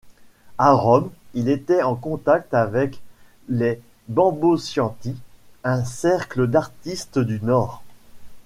À Rome, il était en contact avec les Bamboccianti, un cercle d’artistes du Nord.